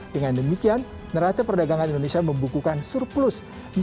dengan demikian neraca perdagangan indonesia membukukan surplus